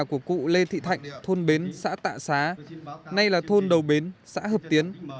của cụ lê thị thạnh thôn bến xã tạ xá nay là thôn đầu bến xã hợp tiến